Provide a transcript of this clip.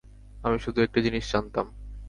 আমি শুধু একটি জিনিস জানতাম।